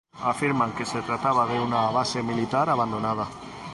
Afirman que se trata de una base militar abandonada.